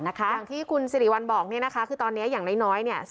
อย่างที่คุณสิริวัลบอกคือตอนนี้อย่างน้อย